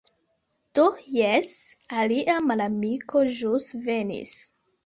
Do jes... alia malamiko ĵus venis.